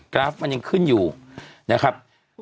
ราฟมันยังขึ้นอยู่นะครับ